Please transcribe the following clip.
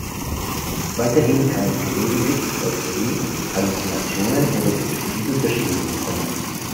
Weiterhin kann es gelegentlich zu Euphorie, Halluzinationen oder depressiven Verstimmungen kommen.